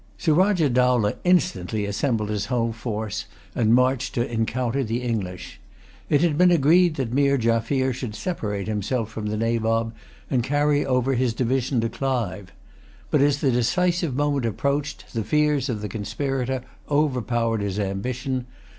Surajah Dowlah instantly assembled his whole force, and marched to encounter the English. It had been agreed that Meer Jaffier should separate himself from the Nabob, and carry over his division to Clive. But, as the decisive moment approached, the fears of the conspirator overpowered his ambition.